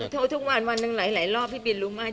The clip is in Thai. ทุกวันวันหนึ่งหลายรอบพี่บินรู้ไหม